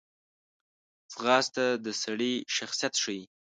ځغاسته د سړي شخصیت ښیي